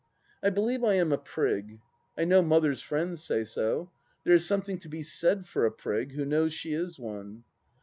I believe I am a prig. I know Mother's friends say so. There is something to be said for a prig who knows she is one.